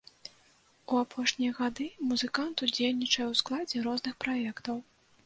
У апошнія гады музыкант удзельнічае ў складзе розных праектаў.